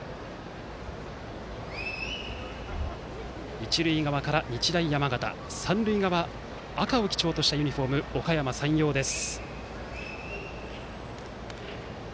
一塁側から日大山形三塁側、赤を基調としたユニフォームのおかやま山陽です。